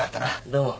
どうも。